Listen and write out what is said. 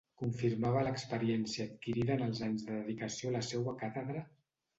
Confirmava l’experiència adquirida en els anys de dedicació a la seua càtedra...